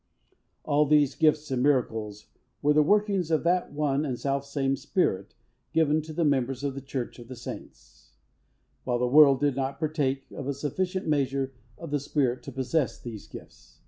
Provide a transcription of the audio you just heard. All these gifts and miracles were the workings of that one, and the self same Spirit given to the members of the Church of the Saints, while the world did not partake of a sufficient measure of the Spirit to possess these gifts.